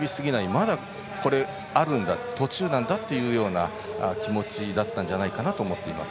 まだあるんだ、途中なんだという気持ちだったんじゃないかなと思っています。